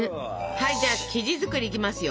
はいじゃあ生地作りいきますよ。